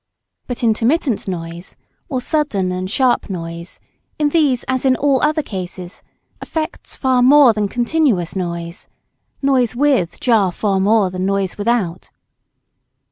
But intermittent noise, or sudden and sharp noise, in these as in all other cases, affects far more than continuous noise noise with jar far more than noise without.